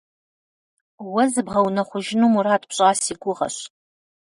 Уэ зыбгъэунэхъужыну мурад пщӏа си гугъэщ.